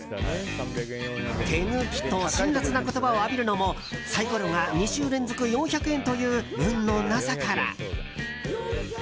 「手抜き」と辛らつな言葉を浴びるのもサイコロが２週連続４００円という運のなさから。